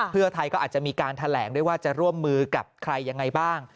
เพื่อไทยก็อาจจะมีการแถลงด้วยว่าจะร่วมมือกับใครยังไงบ้าง